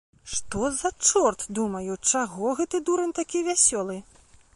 Што за чорт, думаю, чаго гэты дурань такі вясёлы?